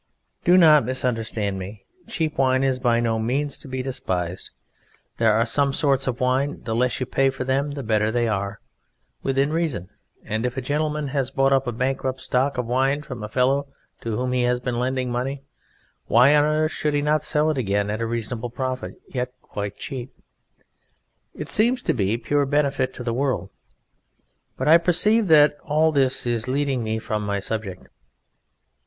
Do not misunderstand me: cheap wine is by no means to be despised. There are some sorts of wine the less you pay for them the better they are within reason; and if a Gentleman has bought up a bankrupt stock of wine from a fellow to whom he has been lending money, why on earth should he not sell it again at a reasonable profit, yet quite cheap? It seems to be pure benefit to the world. But I perceive that all this is leading me from my subject.